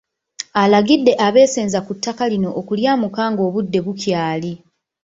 Alagidde abeesenza ku ttaka lino okulyamuka ng'obudde bukyali.